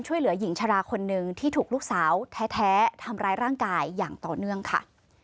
ช่วยเหลือหญิงชะลาคนหนึ่งที่ถูกลูกสาวแท้ทำร้ายร่างกายอย่างต่อเนื่องค่ะ